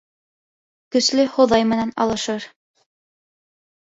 Көслө Хоҙай менән алышыр.